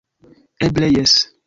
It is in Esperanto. Eble, jes!